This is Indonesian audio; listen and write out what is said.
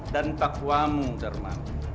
dan takwamu darman